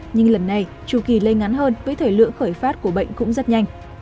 nhưng lần này chu kỳ lây ngắn hơn với thời lượng khởi phát của bệnh cũng rất nhanh